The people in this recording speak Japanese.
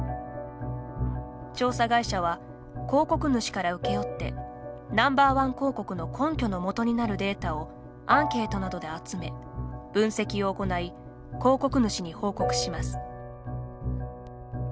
調査会社は広告主から請け負ってＮｏ．１広告の根拠のもとになるデータをアンケートなどで集め分析を行い、広告主に報告します。